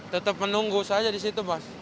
tetap menunggu saja disitu mas